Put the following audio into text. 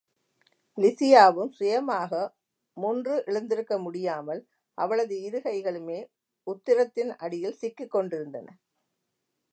லிசியாவும் சுயமாக முன்று எழுத்திருக்க முடியாமல் அவளது இரு கைகளுமே உத்திரத்தின் அடியில் சிக்கிக் கொண்டிருந்தன.